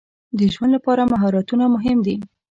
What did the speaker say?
د ژوند لپاره مهارتونه مهم دي.